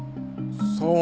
そう！